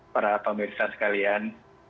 para pemerintah sekalian